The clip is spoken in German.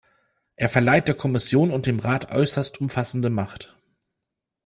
Er verleiht der Kommission und dem Rat äußerst umfassende Macht.